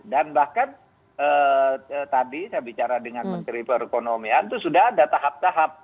dan bahkan tadi saya bicara dengan menteri perekonomian itu sudah ada tahap tahap